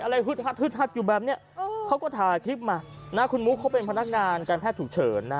อะไรหึดหัดอยู่แบบนี้เค้าก็ถ่ายคลิปมาคุณมุ๊คเป็นพนักงานการแพทย์ฉุกเฉิน